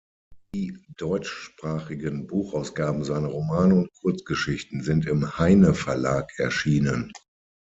Die deutschsprachigen Buchausgaben seiner Romane und Kurzgeschichten sind im Heyne Verlag erschienen.